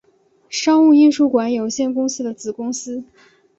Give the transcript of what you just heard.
商务印书馆有限公司的子公司。